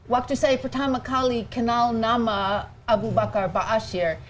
waktu saya pertama kali kenal nama abu bakar ba'asyir